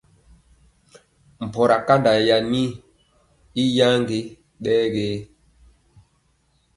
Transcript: Mpɔra kandaa yi i yaŋgeya ɗɛ ge.